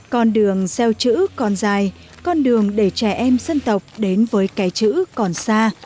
con đường gieo chữ còn dài con đường để trẻ em dân tộc đến với cái chữ còn xa